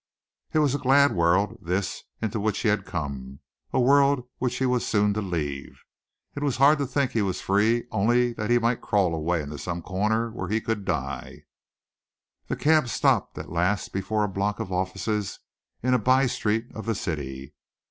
It was a glad world, this, into which he had come, a world which he was so soon to leave. It was hard to think he was free only that he might crawl away into some corner where he could die. The cab stopped at last before a block of offices in a by street of the city.